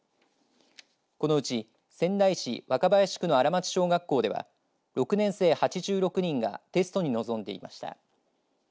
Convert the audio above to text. このうち仙台市若林区の荒町小学校では６年生８６人がテストに臨んでいました。